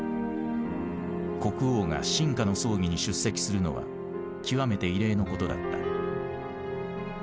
国王が臣下の葬儀に出席するのは極めて異例のことだった。